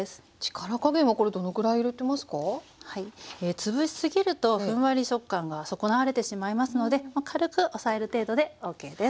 潰し過ぎるとふんわり食感が損なわれてしまいますので軽く押さえる程度でＯＫです。